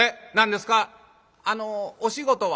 「あのお仕事は？」。